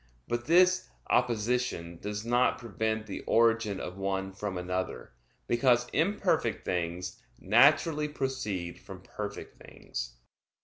But this opposition does not prevent the origin of one from another, because imperfect things naturally proceed from perfect things.